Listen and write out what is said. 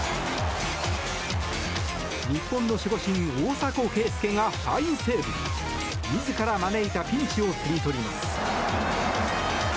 日本の守護神・大迫敬介がファインセーブ！自ら招いたピンチを摘み取ります。